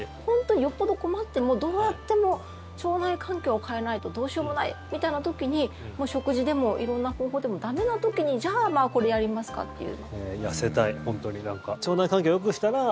よっぽど困ってどうやっても腸内環境を変えないとどうしようもないみたいな時に食事でも色んな方法でも駄目な時にじゃあこれやりますかっていう。